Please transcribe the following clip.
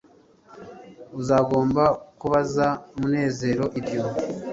uzagomba kubaza munezero ibyo